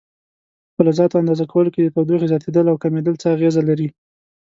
په فلزاتو اندازه کولو کې د تودوخې زیاتېدل او کمېدل څه اغېزه لري؟